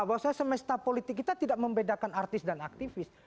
bahwasanya semesta politik kita tidak membedakan artis dan aktivis